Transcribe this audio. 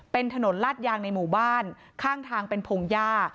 เป็นถนนลาดยางในหมู่บ้านข้างทางเป็นพงหญ้า